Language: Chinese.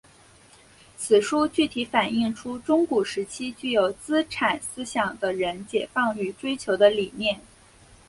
此书具体反映出中古时期具有资产思想的人解放与追求的理念。